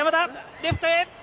レフトへ。